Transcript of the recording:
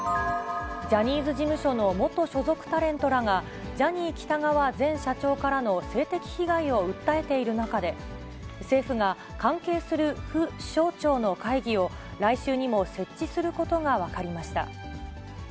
ジャニーズ事務所の元所属タレントらが、ジャニー喜多川前社長からの性的被害を訴えている中で、政府が関係する府省庁の会議を来週にも設置することが分かりました。